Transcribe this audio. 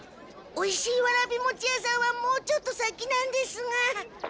おいしいわらび餅屋さんはもうちょっと先なんですが。